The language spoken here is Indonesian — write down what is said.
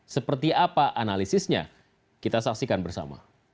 seperti apa analisisnya kita saksikan bersama